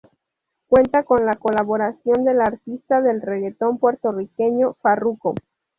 Cuenta con la colaboración del artista de reguetón puertorriqueño Farruko.